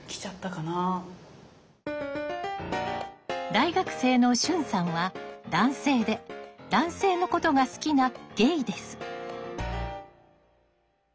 大学生の駿さんは男性で男性のことが好きなゲイです。